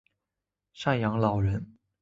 赡养老人